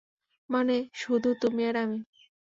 মানে, শুধু তুমি আর আমি?